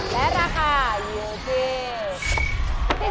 และราคาอยู่ที่